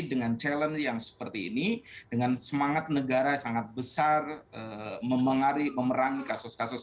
dengan challenge yang seperti ini dengan semangat negara sangat besar memengari memerangi kasus kasus